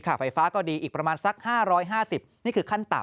ไฟฟ้าก็ดีอีกประมาณสัก๕๕๐นี่คือขั้นต่ำ